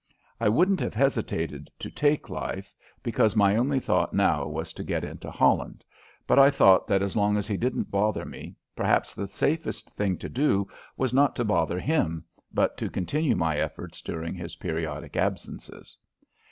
I wouldn't have hesitated to take life, because my only thought now was to get into Holland, but I thought that as long as he didn't bother me perhaps the safest thing to do was not to bother him, but to continue my efforts during his periodic absences.